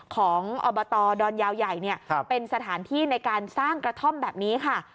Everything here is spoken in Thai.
อบตดอนยาวใหญ่เป็นสถานที่ในการสร้างกระท่อมแบบนี้ค่ะ